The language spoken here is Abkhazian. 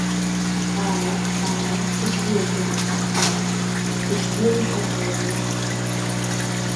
Ааи, ааи, шәыбзиазароуп, дад, шәыбзиамхар ҟалома.